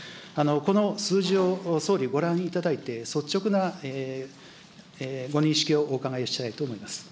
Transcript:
この数字を総理、ご覧いただいて、率直なご認識をお伺いしたいと思います。